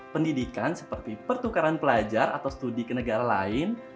pendidikan seperti pertukaran pelajar atau studi ke negara lain